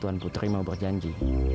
tuan putri mau berjanji